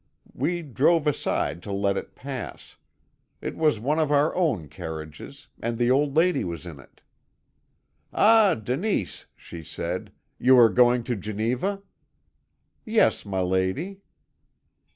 We drove aside to let it pass; it was one of our own carriages, and the old lady was in it. "'Ah, Denise,' she said, are you going to Geneva?' "'Yes, my lady.'